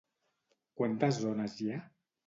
Quantes zones hi ha?